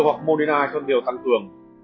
hoặc moderna trong điều tăng cường